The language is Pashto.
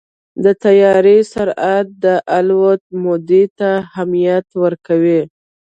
د طیارې سرعت د الوت مودې ته اهمیت ورکوي.